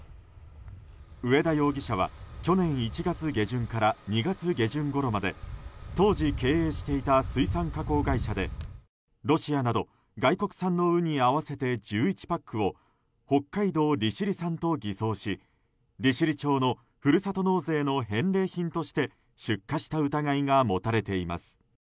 上田容疑者は去年１月下旬から２月下旬ごろまで当時経営していた水産加工会社でロシアなど外国産のウニ合わせて１１パックを北海道利尻産と偽装し利尻町のふるさと納税の返礼品として出荷した疑いが持たれています。